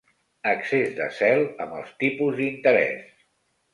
Excés de zel amb els tipus d'interès.